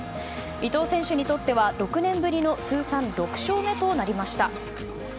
伊藤選手にとっては６年ぶりの通算６勝目となりました。